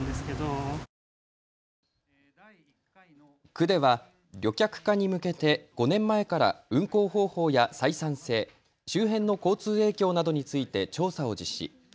区では旅客化に向けて５年前から運行方法や採算性、周辺の交通影響などについて調査を実施。